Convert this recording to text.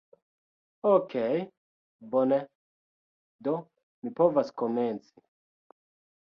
Okej' bone, do mi povas komenci